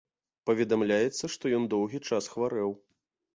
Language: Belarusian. Паведамляецца, што ён доўгі час хварэў.